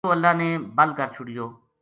یوہ اللہ نے بَل کر چھُڑیو